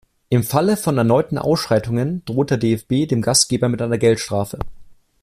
Im Falle von erneuten Ausschreitungen droht der DFB dem Gastgeber mit einer Geldstrafe.